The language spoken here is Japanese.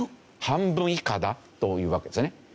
半分以下だというわけですよね。